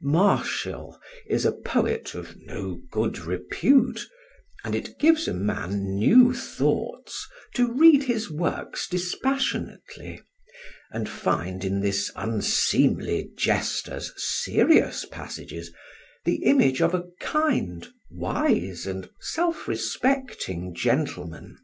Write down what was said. Martial is a poet of no good repute, and it gives a man new thoughts to read his works dispassionately, and find in this unseemly jester's serious passages the image of a kind, wise, and self respecting gentleman.